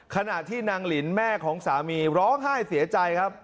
ขณะที่นางลินแม่ของสามีร้องไห้เสียใจครับ